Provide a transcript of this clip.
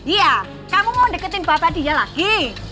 iya kamu mau deketin bapak dia lagi